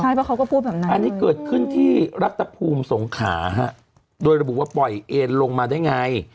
ใช่เพราะเขาก็พูดแบบนั้นอันนี้เกิดขึ้นที่รัฐภูมิสงขาฮะโดยระบุว่าปล่อยเอ็นลงมาได้ไง